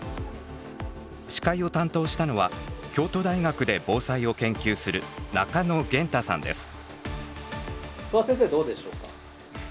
司会を担当したのは京都大学で防災を研究する諏訪先生どうでしょうか？